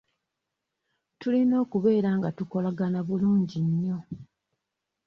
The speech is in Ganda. Tulina okubeera nga tukolagana bulungi nnyo.